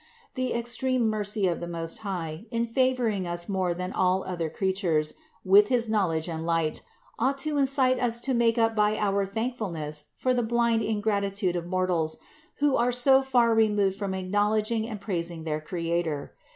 The extreme mercy of the Most High, in favoring us more than all other creatures with his knowledge and light, ought to incite us to make up by our thankfulness for the blind ingratitude of mortals, who are so far re moved from acknowledging and praising their Creator.